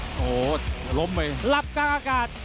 โอ้โหล้มไป